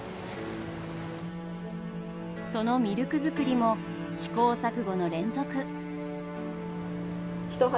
そのミルク作りも試行錯誤の連続。